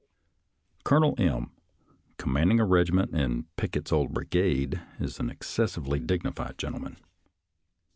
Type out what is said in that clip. Colonel M., commanding a regiment in Pick ett's old brigade, is an excessively dignified gen tleman.